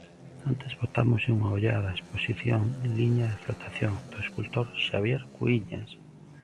Antes botámoslle unha ollada á exposición Liña de flotación, do escultor Xabier Cuíñas.